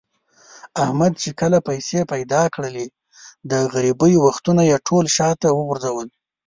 احمد چې کله پیسې پیدا کړلې، د غریبۍ وختونه یې ټول شاته و غورځول.